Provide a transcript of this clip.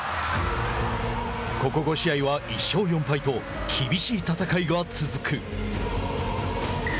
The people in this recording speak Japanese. ここ５試合は、１勝４敗と厳しい戦いが続く。